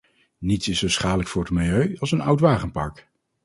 Niets is zo schadelijk voor het milieu als een oud wagenpark.